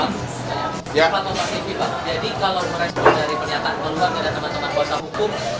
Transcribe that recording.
apakah penyelesaian dari penyelesaian keluarga dan teman teman kuasa hukum